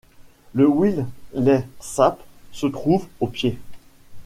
Le Willersalpe se trouve au pied.